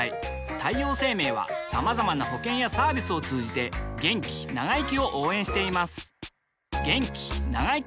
太陽生命はまざまな保険やサービスを通じて気長生きを応援しています